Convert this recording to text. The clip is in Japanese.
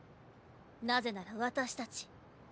なぜなら私たち。